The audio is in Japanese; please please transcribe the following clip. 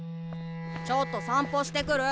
ちょっと散歩してくる。